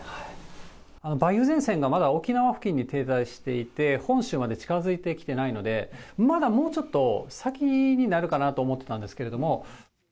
梅雨前線がまだ沖縄付近に停滞していて、本州まで近づいてきてないので、まだもうちょっと先になるかなと思ってたんですけども。